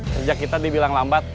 kerja kita dibilang lambat